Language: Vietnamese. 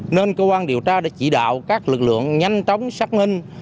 nên cơ quan điều tra đã chỉ đạo các lực lượng nhanh chóng xác minh